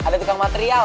eh ada tukang material